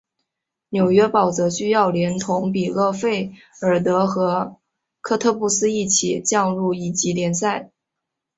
纽伦堡则需要连同比勒费尔德和科特布斯一起降入乙级联赛。